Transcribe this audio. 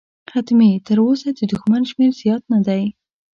حتمي، تراوسه د دښمن شمېر زیات نه دی.